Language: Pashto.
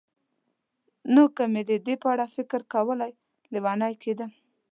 نو که مې د دې په اړه فکر کولای، لېونی کېدم.